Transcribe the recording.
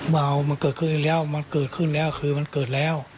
ว่ามันเกิดขึ้นอีกแล้วมันเกิดขึ้นแล้วคือมันเกิดแล้ว